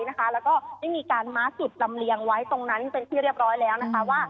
แล้วก็ได้มีการม้าจุดลำเลียงไว้ตรงนั้นเป็นที่เรียบร้อยแล้วนะคะว่า